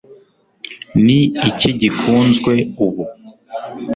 ni iki gikunzwe ubu